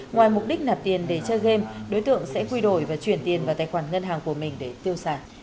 ngoài mục đích nạp tiền để chơi game đối tượng sẽ quy đổi và chuyển tiền vào tài khoản ngân hàng của mình để tiêu sản